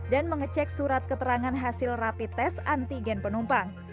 dan mengecek surat keterangan hasil rapi tes antigen penumpang